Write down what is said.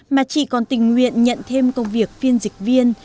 mà chị còn tình nguyện nhận thêm công việc phiên dịch viên